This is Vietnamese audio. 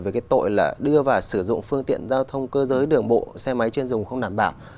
về cái tội là đưa và sử dụng phương tiện giao thông cơ giới đường bộ xe máy chuyên dùng không đảm bảo